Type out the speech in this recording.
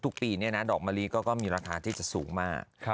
ทุกปีดอกมะลิก็มีราคาที่จะสูงมาก